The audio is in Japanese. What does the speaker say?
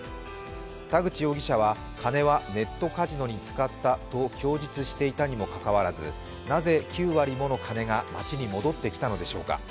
田口容疑者は金はネットカジノに使ったと供述していたにもかかわらずなぜ９割もの金が町に戻ってきたのでしょうか。